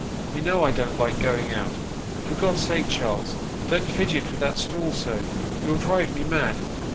You know I don't like going out. For God's sake, Charles, don't fidget with that stool so ; you'll drive me mad."